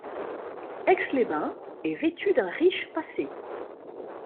Aix-les-Bains est vêtue d'un riche passé.